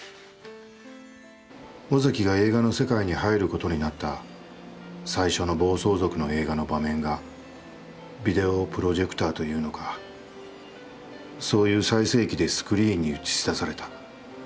尾崎が映画の世界に入ることになった最初の暴走族の映画の場面がビデオプロジェクターというのかそういう再生機でスクリーンに映し出された。